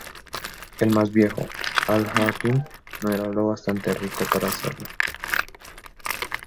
El más viejo, Al-Harith no era lo bastante rico para hacerlo.